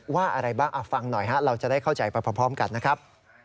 อะไรบ้างฟังหน่อยฮะเราจะได้เข้าใจไปพร้อมกันนะครับ